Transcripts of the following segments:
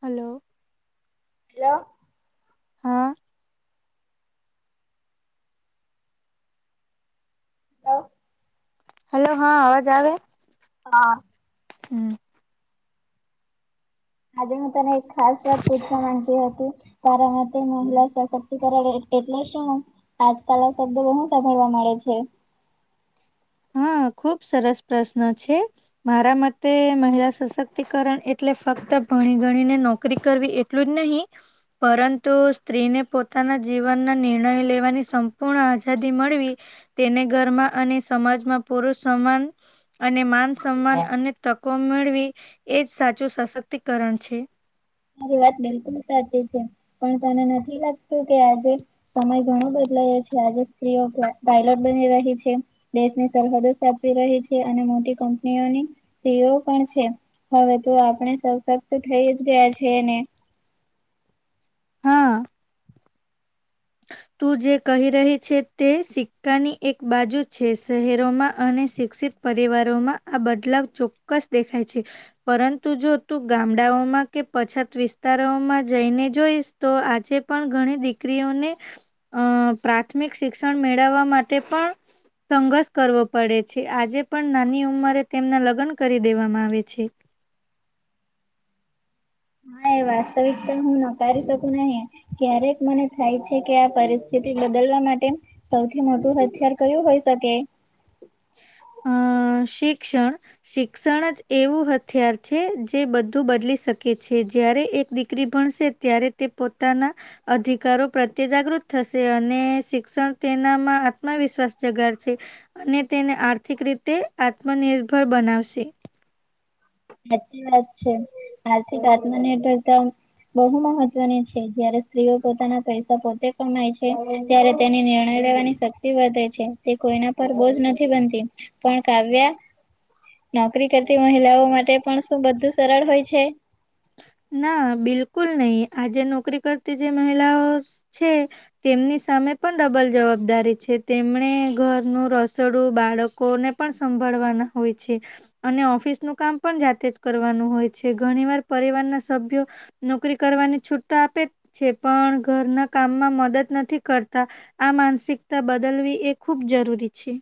Hello. Hello. હા. હ. Hello હા અવાજ આવે? હા. હમ્મ. આજે હું તને એક ખાસ વાત પૂછવા માંગતી હતી. તારા માટે મહિલા સશક્તિ કરણ એ-એટલે શું? આજકાલ આ શબ્દો બહુ સાભાળવા મળે છે. હા ખુબ સરસ પ્રશ્ન છે. મારા મતે મહિલા સશક્તિકરણ એટલે ફક્ત ભણી ગણીને નોકરી કરવી એ ટલુ જ નહી પરંતુ સ્ત્રીને પોતાના જીવનના નિર્ણય લેવાની સંપૂર્ણ આઝાદી મળવી તેને ઘરમાં અને સમાજમાં પુરુષ સમાન અને માન સન્માન અને તકો મેળવી એજ સાચું સશક્તિકરણ છે. મારી વાત બિલકુલ સાચી છે પણ તને નથી લાગતું કે આજે સમય ઘણો બદલાયો છે. આજે સ્ત્રીઓ બ્લા પાયલોટ બની રહી છે. દેશની સહમદો સ્થાપી રહી છે અને મોટી કંપનીઓની સીઓ પણ છે. હવે તો આપણે સશક્ત થઈ જ ગયા છે ને હા. તું જે કહી રહી છે તે સિક્કાની એક બાજુ છે. શહેરોમાં અને શિક્ષિત પરિવારોમાં આ બદલાવ ચોક્કસ દેખાય છે. પરંતુ જો તું ગામડાઓમાં કે પછાત વિસ્તારોમાં જઈને જોઈશ તો આજે પણ ઘણી દીકરીઓને અહ પ્રાથમિક શિક્ષણ મેળવવા માટે પણ સંઘર્ષ કરવો પડે છે. આજે પણ નાની ઉંમરે તેમના લગ્ન કરી દેવામાં આવે છે. હા એ વાસ્તવિકતા હું નકારી શકુ નહી. ક્યારેક મને થાય છે કે આ પરિસ્થિતિ બદલવા માટે સૌથી મોટું હથિયાર કર્યું હોય શકે? હ અહ શિક્ષણ શિક્ષણ જ એવું હથિયાર છે જે બધું બદલી શકે છે. જયારે એક દીકરી ભણશે ત્યારે તે પોતાના અધિકારો પ્રત્યે જાગૃત થશે અને શિક્ષણ તેનામાં આત્મવિશ્વાસ જગાડશે. અને તેને આર્થિક રીતે આત્મનિર્ભર બનાવશે. સાચી વાત છે. આર્થિક આત્મનિર્ભયતા બહુ મહત્વની છે. જયારે સ્ત્રીઓ પોતાના પૈસા પોતે કમાય છે ત્યારે તેની નિર્ણય લેવાની શક્તિ વધે છે. તે કોઈના પર બોજ નથી બનતી પણ કાવ્યા નોકરી કરતી મહિલાઓ માટે પણ શું બધું સરળ હોય છે? ના બિલકુલ નહી આજે નોકરી કરતી જે મહિલાઓ છે તેમની સામે પણ ડબલ જવાબદારી છે. તેમણે ઘરનું રસોડું, બાળકોને પણ સંભાળવાના હોય છે. અને ઓફિસ નું કામ પણ જાતે જ કરવાનું હોય છે. ઘણી વાર પરિવારના સભ્યો નોકરી કરવાની છુટ તો આપે છે, પણ ઘરના કામમાં મદદ નથી કરતા. આ માનસિકતા બદલવી એ ખૂબ જરૂરી છે.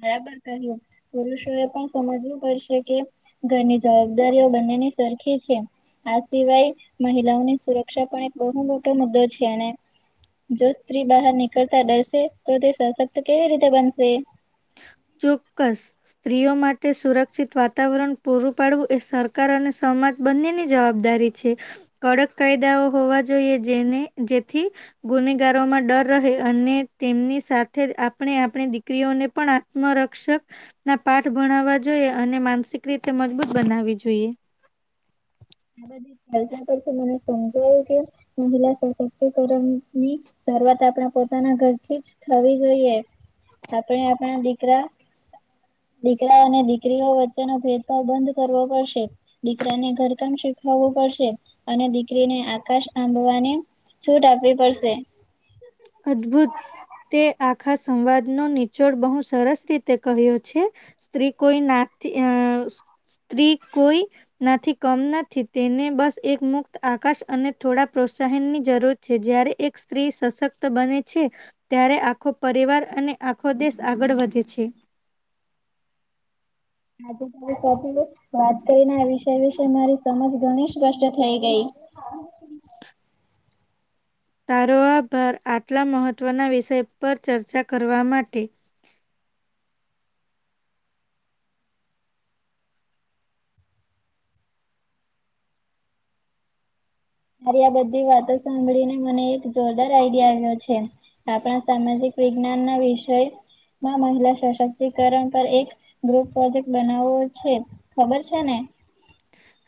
બારાબર કહીયુ. પુરુષો એ પણ સમજવું પડશે કે ઘરની જવાબદારીઓ બંનેની સરખી છે. આ સિવાય મહિલાઓની સુરક્ષા પણ એક બહુ મોટો મુદ્દો છે અને જો સ્ત્રી બહાર નીકળતા ડરસે, તો તે સશક્ત કેવી રીતે બનશે? ચોક્કસ સ્ત્રીઓ માટે સુરક્ષિત વાતાવરણ પૂરું પાડવું એ સરકાર અને સમાજ બંનેની જવાબદારી છે. કડક કાયદાઓ હોવા જોઈએ જેને જેથી ગુનેગારોમાં ડર રહે અને તેમની સાથે જ આપણી આપણી દીકરીઓને પણ આત્મરક્ષક ના પાઠ ભણાવવા જોઈએ અને માનસિક રીતે મજબૂત બનાવી જોઈએ. આ બધી ચર્ચા પરથી મને સમજવાું કે મહિલા સશક્તિકરણ ની શરુવાત આપણા પોતાના ઘરથી જ થવી જોઈએ. આપણે આપણા દીકરા દીકરા અને દીકરીઓ વચ્ચેનો બંધ કરવો પડશે. દીકરા ને ઘર કામ શીખ થવું પડશે અને દીકરીને આકાશ આંબવાની છૂટ આપવી પડશે. અદભુત તે આખા સંવાદનો નીચોડ બહુ સરસ રીતે કહ્યો છે. સ્ત્રી કોઈ ના અહ સ્ત્રી કોઈ નાથી કમ નથી તેને બસ એક મુક્ત આકાશ અને થોડા પ્રોત્સાહન ની જરૂર છે જય્યારે એક સ્ત્રી સશક્ત બને છે, ત્યારે આખો પરિવાર અને આખો દેશ આગળ વધે છે. ટોપિક વાત કરીને આ વિષય વિશે મારી સમજ ઘણી સ્પષ્ટ થઈ ગઈ. તારો આભાર આટલા મહત્વના વિષય ચર્ચા કરવા માટે. તારી આ બધી વાતો સાંભળીને મને એક જોરદાર આઈડિયા આવ્યો છે. આપણા સામાજિક વિજ્ઞાન ના વિષયમાં મહિલા સશક્તિકરણ પર એક ગ્રુપ પ્રોજેક્ટ બનાવો છે ખબર છે ને?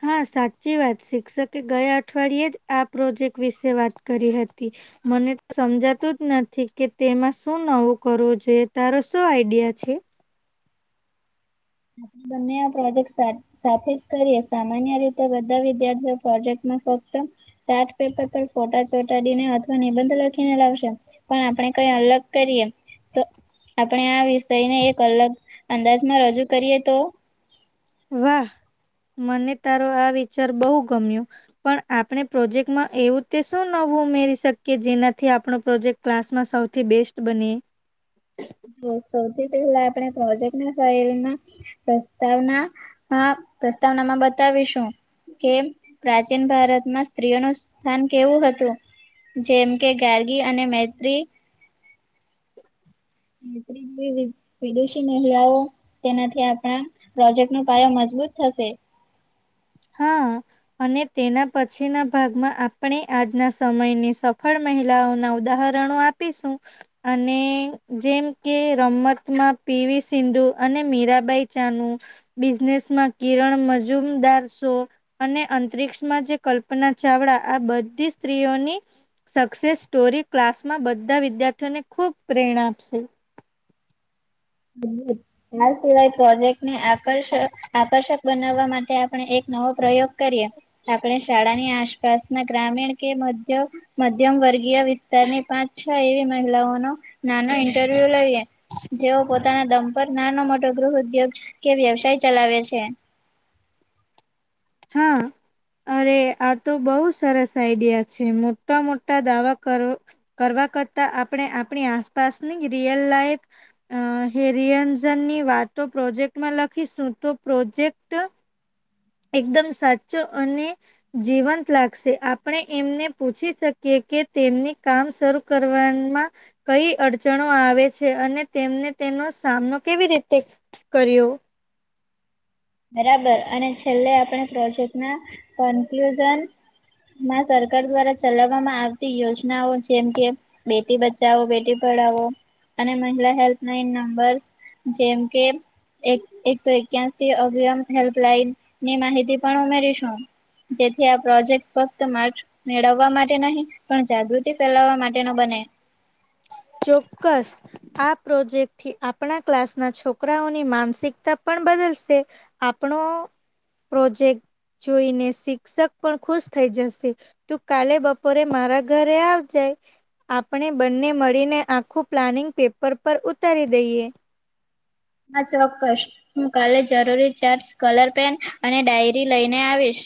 હા, સાચી વાત, શિક્ષકે ગયા અઠવાડિયે જ આ પ્રોજેક્ટ વિશે વાત કરી હતી. મને તો સમજાતું જ નથી કે તેમાં શું નવું કરવું જોઈએ, તારો શું આઈડિયા છે? બમને આ પ્રોજેક્ટસ સાથ સાથે જ કરીએ, સામાન્ય રીતે બધા વિદ્યાર્થીઓ પ્રોજેક્ટમાં ફક્ત ચાર્ટ પેપર પર ફોટા ચોટાડીને અથવા નિબંધ લખીને લાવશે. પણ આપણે કઈ અલગ કરીએ તો આપણે આ વિષયને એક અલગ અંદાજમાં રજૂ કરીએ તો વાહ મને તારો આ વિચાર બહુ ગમ્યો પણ આપણે પ્રોજેક્ટમાં એવું તે શું નું ઉમેરી શકીએ જેનાથી આપણો પ્રોજેક્ટ ક્લાસમાં સૌથી બેસ્ટ બને. સૌથી પહેલા આપણે પ્રોજેક્ટના ફઈલ ના પ્રસ્તાવના, હા પ્રસ્તાવનામાં બતાવીશું. કે પ્રાચીન ભારતમાં સ્ત્રીઓનું સ્થાન કેવું હતું. જેમ કે ગારગી અને મૈત્રી [unintelligible] વિદેશી મહિલાઓ તેનાથી આપડા પ્રોજેક્ટ નો પાયો મજબૂત થશે. હા. અને તેના પછીના ભાગમાં આપણે આજના સમયની સફળ મહિલાઓના ઉદાહરણ. નું આપીશું અને જેમ કે રમતમાં પીવી સિંધુ અને મીરાબાઈ ચાનુ બિઝનેસ માં કિરણમજૂનદાર સો અને અંતરિક્ષમાં જે કલ્પના ચાવડા આ બધી સ્ત્રીઓની સક્સેસ સ્ટોરી ક્લાસમાં બધા વિદ્યાર્થીઓને ખૂબ પ્રેરણા આપશે. આ સિવાય પ્રોજેક્ટને આકર્ષક આકર્ષક બનાવવા માટે આપણે એક નવો પ્રયોગ કરીએ કે આપણે શાળાની આસપાસ ના ગ્રામીણ કે મધ્ય મધ્યમ વર્ગીય વિસ્તારની પાંચ છ એવી મહિલાઓનો નાનો ઇન્ટરવ્યુ લઈએ જો દમ પર નાનો મોટો ગૃહઉદ્યોગ કે વ્યવસાય ચલાવે છે. હા. અરે આ તો બઉ સરસ આઈડિયા છે મોટા મોટા દાવા કર કરવા કરતા આપણે આપણી આસપાસની રિયલ લાઈફ અ હેરિયન્ઝનની વાતો પ્રોજેક્ટમાં લખીશું તો પ્રોજેક્ટ એકદમ સાચો અને જીવંત લાગશે આપણે એમને પૂછી શકીએ કે તેમને કામ શરૂ કરવાનમાં કઈ અડચણો આવે છે અને તેમને તેનો સામનો કેવી રીતે કર્યો? બરાબર અને છેલ્લે આપણે પ્રોજેક્ટ ના કન્ક્લુઝન માં સરકાર દ્વારા ચલાવવામાં આવતી યોજનાઓ જેમ કે બેટી બચાવો, બેટી પઢાઓ અને મહિલા હેલ્પલાઇન નંબર જેમ કે એક એકસો એક્યાસી અભિયમ હેલ્પલાઈનની માહિતી પણ ઉમેરીશું. જેથી આ પ્રોજેક્ટ ફક્ત માકસ મેળવવા માટે નહી પણ જાગૃતિ ફેલાવવા માટે નો બને. ચોક્કસ. આ પ્રોજેક્ટ થી આપણા ક્લાસ ના છોકરાઓની માનસિકતા પણ બદલશે. આપણો પ્રોજેક્ટ જોઈને શિક્ષક પણ ખુશ થઈ જશે. તું કાલે બપોરે મારા ઘરે આવજે આપણે બંને મળીને આખું પ્લાનિંગ પેપર પર ઉતારી દઈએ. હા ચોક્કસ હું કાલે જરૂરી ચાર્ટસ, કલર પેન અને ડાયરી લઈને આવીશ.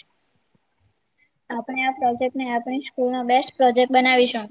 આપણે આ પ્રોજેક્ટને આપણી સ્કૂલ નો બેસ્ટ પ્રોજેક્ટ બનાવીશું.